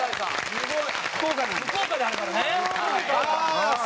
すごい！